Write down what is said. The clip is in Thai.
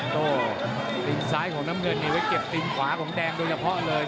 โต้ตินซ้ายของน้ำเงินนี่ไว้เก็บตีนขวาของแดงโดยเฉพาะเลย